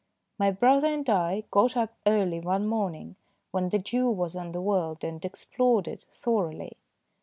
My brother and I got up early one morning when the dew was on the world and explored it thoroughly.